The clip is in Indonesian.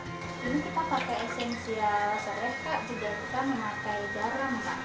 ini kita pakai esensial serai juga kita memakai garam